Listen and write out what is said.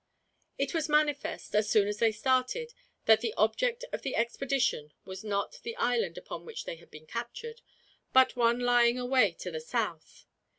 It was manifest, as soon as they started, that the object of the expedition was not the island upon which they had been captured, but one lying away to the south.